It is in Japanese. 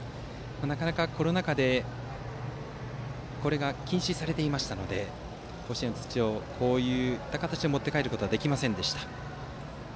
なかなかコロナ禍でこれが禁止されていたので甲子園の土をこういった形で持って帰ることはできませんでした。